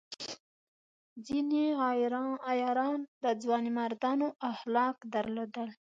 ځینې عیاران د ځوانمردانو اخلاق درلودل.